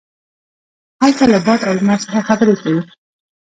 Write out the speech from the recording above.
هغه له باد او لمر سره خبرې کوي.